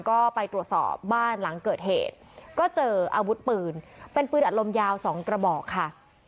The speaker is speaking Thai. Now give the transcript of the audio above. ก็ไปตรวจสอบบ้านหลังเกิดเหตุก็เจออาวุธปืนเป็นปืนอัดลมยาวสองกระบอกค่ะ